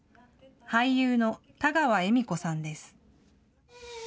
俳優の田川恵美子さんです。